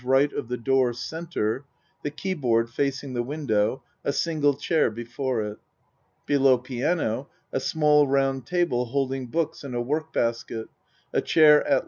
of the door C. the keyboard facing the window a sin gle chair before it. Below piano a small round ta ble holding books and a work basket a chair at L.